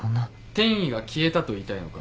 転移が消えたと言いたいのか？